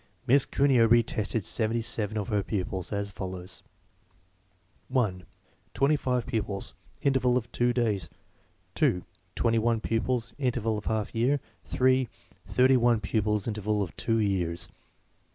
Miss Cuneo re tested seventy seven of her pupils, as follows: (1) Twenty five pupils, interval of two days; () twenty one pupils, interval of half year; (3) thirty one pupils, interval of two years.